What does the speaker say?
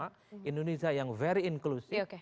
ada apartmen indonesia yang very incluso